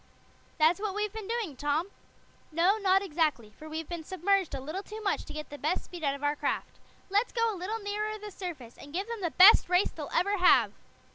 "That's what we've been doing, Tom." "No, not exactly, for we've been submerged a little too much to get the best speed out of our craft. Let's go a little nearer the surface, and give them the best race they'll ever have."